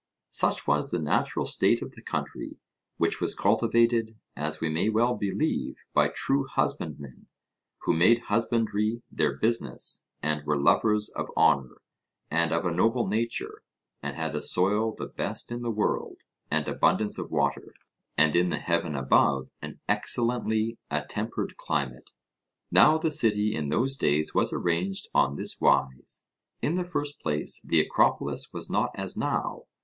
Such was the natural state of the country, which was cultivated, as we may well believe, by true husbandmen, who made husbandry their business, and were lovers of honour, and of a noble nature, and had a soil the best in the world, and abundance of water, and in the heaven above an excellently attempered climate. Now the city in those days was arranged on this wise. In the first place the Acropolis was not as now.